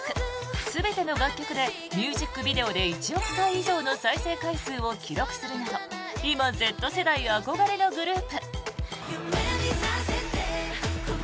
全ての楽曲でミュージックビデオで１億回以上の再生回数を記録するなど今Ｚ世代憧れのグループ。